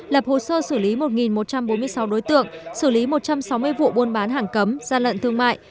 lập hồ sơ xử lý một một trăm bốn mươi sáu đối tượng xử lý một trăm sáu mươi vụ buôn bán hàng cấm gian lận thương mại